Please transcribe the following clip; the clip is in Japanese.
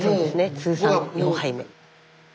通算４杯目。